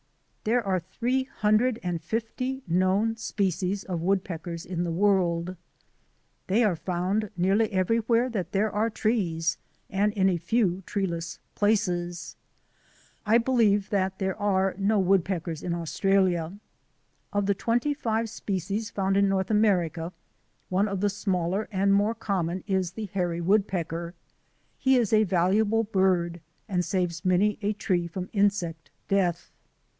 There are three hundred and fifty known species of woodpeckers in the world. They are found nearly everywhere that there are trees and in a few treeless places. I believe that there are no wood peckers in Australia. Of the twenty five species found in North America one of the smaller and more common is the hairy woodpecker. He is a valuable bird and saves many a tree from insect death.